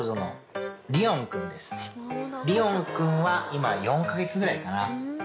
リオン君は今４カ月ぐらいかな。